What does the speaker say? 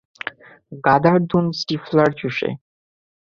গাধার ধোন স্টিফলার চোষে!